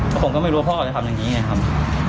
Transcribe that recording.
ผมก็ไม่รู้ว่าพ่อจะทำอย่างนี้ไงครับ